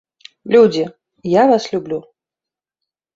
Людзі, я вас люблю!!!